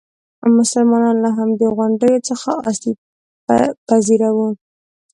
مسلمانان له همدې غونډیو څخه آسیب پذیره وو.